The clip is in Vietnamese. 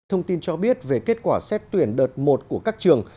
thông tin cho biết về kết quả xét tuyển đợt một của các trường